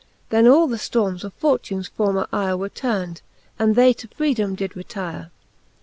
Then all the ftormes of fortunes former yre Were turnd, and they to freedome did retyre.